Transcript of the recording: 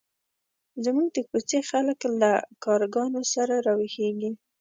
زموږ د کوڅې خلک له کارګانو سره راویښېږي.